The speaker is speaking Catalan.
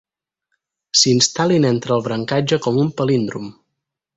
S'instal·lin entre el brancatge com un palíndrom.